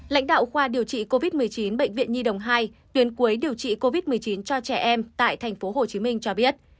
lãnh đạo khoa điều trị covid một mươi chín bệnh viện nhi đồng hai tuyến cuối điều trị covid một mươi chín cho trẻ em tại tp hcm cho biết